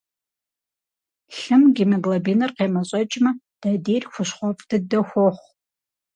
Лъым гемоглобиныр къемэщӏэкӏмэ, дадийр хущхъуэфӏ дыдэ хуохъу.